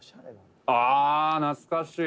「ああ懐かしい！」